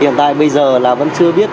hiện tại bây giờ là vẫn chưa biết